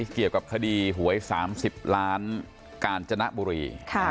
เกี่ยวกับคดีหวย๓๐ล้านกาญจนบุรี